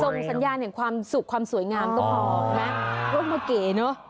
ส่งสัญญาณของความสุขความสวยงามก็พอโรโมเก๋เนอะ